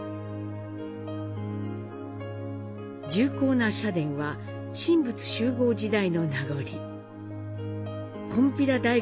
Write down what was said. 重厚な社殿は、神仏習合時代の名残。